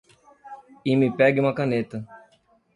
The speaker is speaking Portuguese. E me pegue uma caneta.